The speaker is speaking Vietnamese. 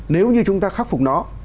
nếu như chúng ta khắc phục nó